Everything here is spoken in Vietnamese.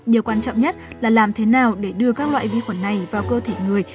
điều quan trọng nhất là làm thế nào để đưa các loại vi khuẩn này vào cơ thể người